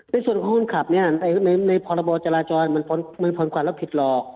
ในส่วนของคนขับเนี่ยในพรบจราจรมันไม่พ้นกว่ารับผิดหรอก